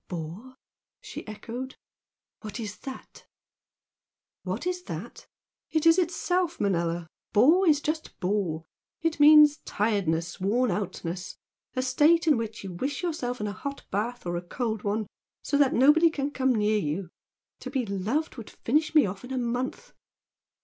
"Bore?" she echoed "What is that?" "What is that? It is itself, Manella! 'Bore' is just 'bore.' It means tiredness worn out ness a state in which you wish yourself in a hot bath or a cold one, so that nobody can come near you. To be 'loved' would finish me off in a month!"